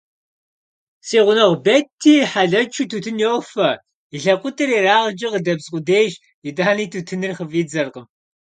Си гъунэгъу Бетти хьэлэчыу тутун йофэ, и лъакъуитӏыр ерагъкӏэ къыдэбз къудейщ, итӏани тутыныр хыфӏидзэркъым.